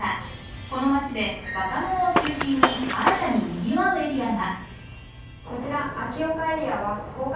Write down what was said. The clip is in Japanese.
この街で若者を中心に新たに賑わうエリアが。